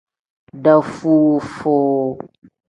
Dafuu-fuu.